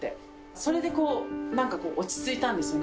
それでこう、なんかこう落ち着いたんですよね。